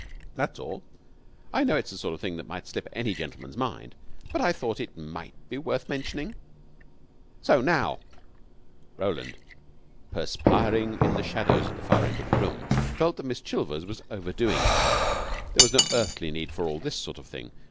That's all. I know it's the sort of thing that might slip any gentleman's mind, but I thought it might be worth mentioning. So now!" Roland, perspiring in the shadows at the far end of the room, felt that Miss Chilvers was overdoing it. There was no earthly need for all this sort of thing.